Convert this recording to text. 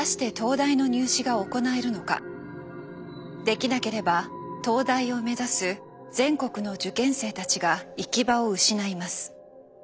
できなければ東大を目指す全国の受験生たちが行き場を失います。